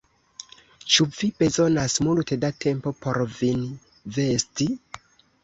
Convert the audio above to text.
Ĉu vi bezonas multe da tempo por vin vesti?